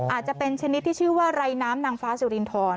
อาจจะเป็นชนิดที่ชื่อว่าไรน้ำนางฟ้าสุรินทร